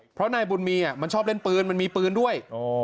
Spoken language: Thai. เพราะนายบุญมีมันชอบเล่นปืนมันมีปืนด้วย